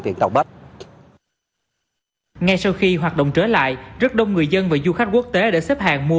tiện tàu bách ngay sau khi hoạt động trở lại rất đông người dân và du khách quốc tế đã xếp hàng mua